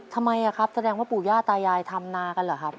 ทำไมครับแสดงว่าปู่ย่าตายายทำนากันเหรอครับ